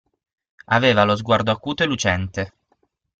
Aveva lo sguardo acuto e lucente.